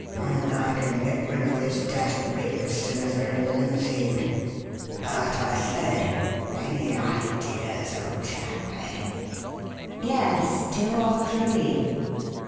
"And I can get rid of this dashed rig as soon as we're in the limousine. But, I say; any ideas, old chap eh?" "Yes, two or three.